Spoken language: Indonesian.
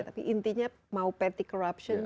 tapi intinya mau patty corruption